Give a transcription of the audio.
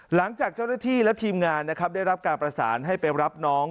หลังจากเจ้าหน้าที่และทีมงานนะครับได้รับการประสานให้ไปรับน้อง